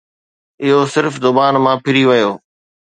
اهو صرف زبان مان ڦري ويو